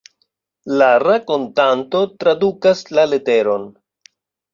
La rakontanto tradukas la leteron.